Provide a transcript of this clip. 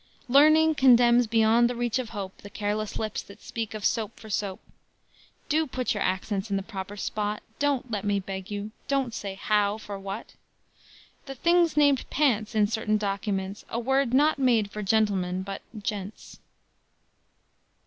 "Learning condemns beyond the reach of hope The careless lips that speak of soap for soap. ... Do put your accents in the proper spot; Don't, let me beg you, don't say 'How?' for 'What?' The things named 'pants' in certain documents, A word not made for gentlemen, but 'gents.'"